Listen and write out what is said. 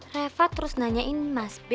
reva terus nanyain mas b